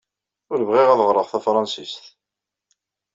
Ur bɣiɣ ad ɣreɣ tafṛensist.